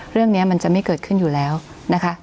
เรื่องนี้มันจะไม่เกิดขึ้นอยู่แล้วนะคะ